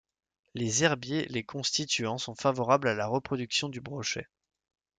Les herbiers les constituant sont favorables à la reproduction du brochet.